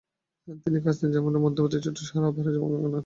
তিনি কাজভিন ও জাঞ্জানের মধ্যবর্তী ছোট শহর আবহারে জন্মগ্রহণ করেন।